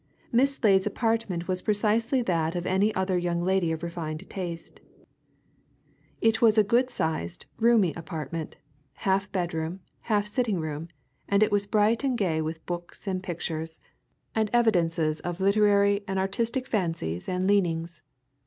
Miss Slade's apartment was precisely that of any other young lady of refined taste. It was a good sized, roomy apartment, half bedroom, half sitting room, and it was bright and gay with books and pictures, and evidences of literary and artistic fancies and leanings.